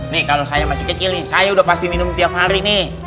nih kalau saya masih kecil nih saya udah pasti minum tiap hari nih